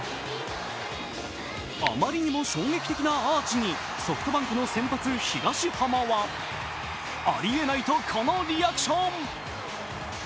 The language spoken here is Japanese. あまりにも衝撃的なアーチにソフトバンクの先発・東浜はありえないとこのリアクション。